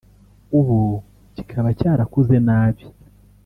ubu kikaba cyarakuze nabi